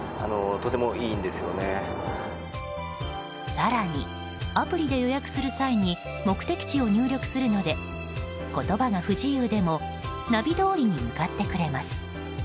更に、アプリで予約する際に目的地を入力するので言葉が不自由でもナビどおりに向かってくれます。